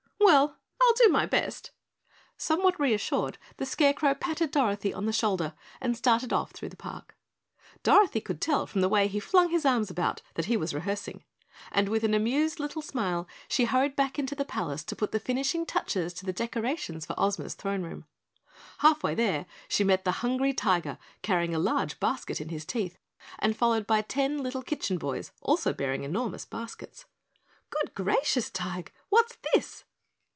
Well, I'll do my best." Somewhat reassured, the Scarecrow patted Dorothy on the shoulder and started off through the park. Dorothy could tell from the way he flung his arms about that he was rehearsing, and with an amused little smile she hurried back to the palace to put the finishing touches to the decorations for Ozma's throne room. Half way there, she met the Hungry Tiger carrying a large basket in his teeth and followed by ten little kitchen boys, also bearing enormous baskets. "Good gracious, Tige, what's this?"